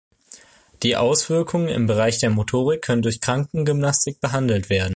Die Auswirkungen im Bereich der Motorik können durch Krankengymnastik behandelt werden.